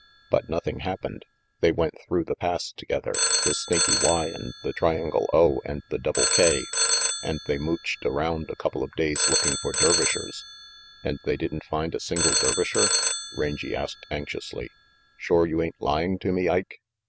But nothing happened. They went through the Pass together, the Snaky Y and the Triangle and the 402 RANGY PETE Double K, and they mooched around a couple of days looking for Dervishers. " "And they didn't find a single Dervisher?" Rangy asked anxiously. "Shore you ain't lying to me, Ike?"